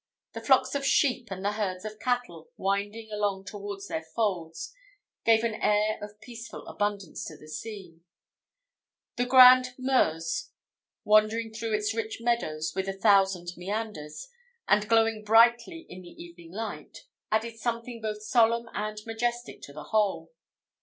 The flocks of sheep and the herds of cattle, winding along towards their folds, gave an air of peaceful abundance to the scene; and the grand Meuse wandering through its rich meadows with a thousand meanders, and glowing brightly in the evening light, added something both solemn and majestic to the whole.